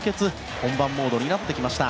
本番モードになってきました。